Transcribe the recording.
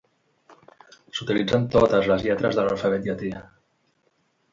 S'utilitzen totes les lletres de l'alfabet llatí.